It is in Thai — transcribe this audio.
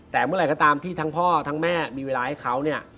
แต่เมื่อไหร่ก็ตามที่ทั้งพ่อทั้งแม่มีเวลาให้เขาเนี่ย